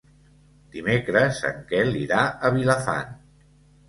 Dimecres en Quel irà a Vilafant.